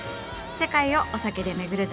世界をお酒で巡る旅。